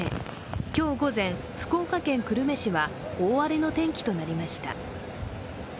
今日午前、福岡県久留米市は大荒れの天気となりました。